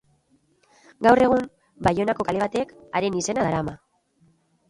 Gaur egun Baionako kale batek haren izena darama.